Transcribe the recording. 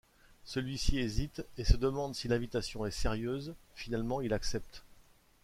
Celui-ci hésite et se demande si l'invitation est sérieuse, finalement il accepte.